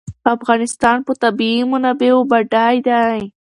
افغانستان په طبیعي منابعو بډای دی.